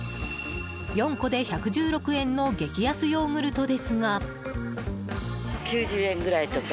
４個で１１６円の激安ヨーグルトですが。